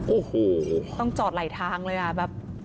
โอ้โหต้องจอดไหลทางเลยอ่ะแบบ